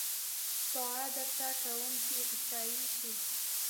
دعا درته کووم چې عيسائي شې